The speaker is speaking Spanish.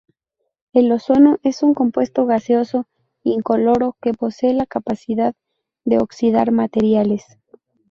El ozono es un compuesto gaseoso incoloro, que posee la capacidad de oxidar materiales.